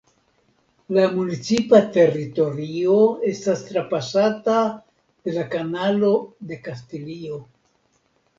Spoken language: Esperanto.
La municipa teritorio estas trapasata de la Kanalo de Kastilio.